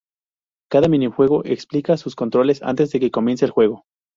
Cada minijuego explica sus controles antes de que comience el juego.